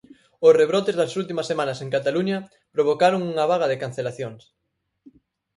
Os rebrotes das últimas semanas en Cataluña provocaron unha vaga de cancelacións.